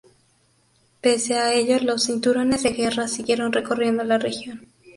Pese a ello los "cinturones de guerra" siguieron recorriendo la región.